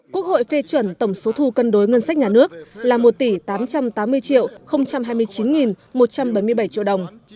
quốc hội phê chuẩn tổng số thu cân đối ngân sách nhà nước là một tỷ tám trăm tám mươi hai mươi chín một trăm bảy mươi bảy triệu đồng